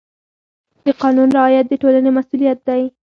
د قانون رعایت د ټولنې مسؤلیت دی.